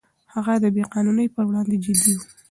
هغه د بې قانونۍ پر وړاندې جدي و.